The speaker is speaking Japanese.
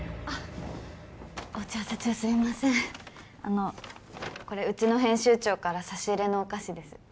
あのこれうちの編集長から差し入れのお菓子です